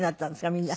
みんな。